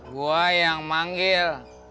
gua yang manggil